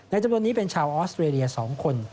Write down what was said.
จำนวนนี้เป็นชาวออสเตรเลีย๒คน